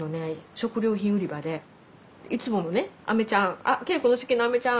食料品売り場でいつものねあめちゃん「あっ圭永子の好きなあめちゃん